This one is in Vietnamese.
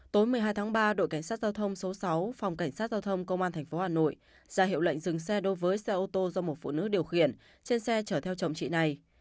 tối một mươi hai tháng ba đội cảnh sát giao thông số sáu phòng cảnh sát giao thông công an tp hà nội ra hiệu lệnh dừng xe đối với xe ô tô do một phụ nữ điều khiển trên xe chở theo chồng chị này